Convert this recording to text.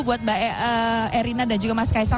buat mbak erina dan juga mas kaisang